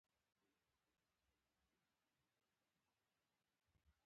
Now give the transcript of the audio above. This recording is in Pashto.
د مېز له سره يې کاغذان ورواخيستل.